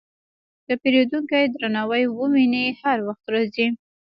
که پیرودونکی درناوی وویني، هر وخت راځي.